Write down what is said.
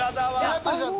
名取さん